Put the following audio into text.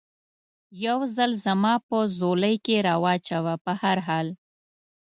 یو ځل زما په ځولۍ کې را و چوه، په هر حال.